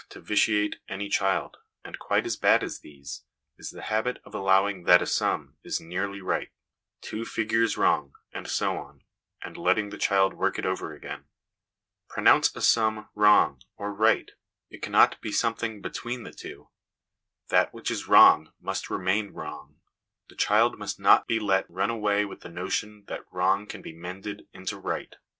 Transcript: to vitiate any child; and quite as bad as these is the habit of allowing that a sum is nearly right, two figures wrong, and so on, and letting the child work it over again. Pronounce a sum wrong, LESSONS AS INSTRUMENTS OK EDUCATION 261 or right it cannot be something between the two. That which is wrong must remain wrong : the child must not be let run away with the notion that wrong can be mended into right.